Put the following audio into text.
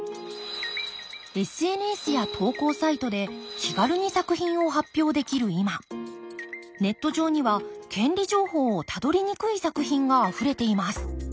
ＳＮＳや投稿サイトで気軽に作品を発表できる今ネット上には権利情報をたどりにくい作品があふれています。